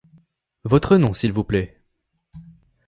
Votre nom, s'il vous plaît?